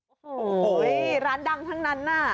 โอ้โหร้านดังทั้งนั้นน่ะ